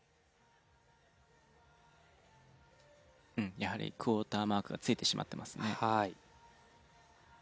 やはりクオーターマークが付いてしまってますね。